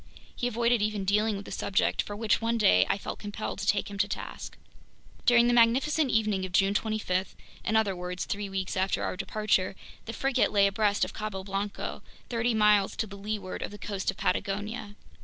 He avoided even dealing with the subject, for which one day I felt compelled to take him to task. During the magnificent evening of June 25—in other words, three weeks after our departure—the frigate lay abreast of Cabo Blanco, thirty miles to leeward of the coast of Patagonia.